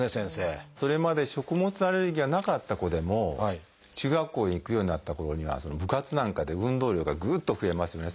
それまで食物アレルギーがなかった子でも中学校へ行くようになったころには部活なんかで運動量がぐっと増えますよね。